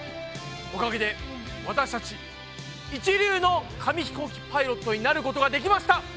おかげで私たち一流の紙ひこうきパイロットになることができました！